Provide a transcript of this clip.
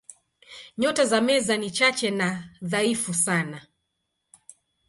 Nyota za Meza ni chache na dhaifu sana.